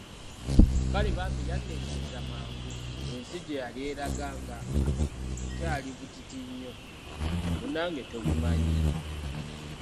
Kale bambi yannengeza mangu ensi gye yali eraga nga nkyali bbuutiti nnyo, munnange tobimanyi?